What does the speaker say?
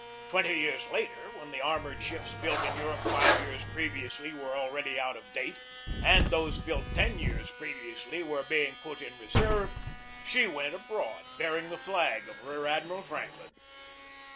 Twenty years later, when the armored ships built in Europe five years previously were already out of date, and those built ten years previously were being put in reserve, she went abroad bearing the flag of Rear Admiral Franklin.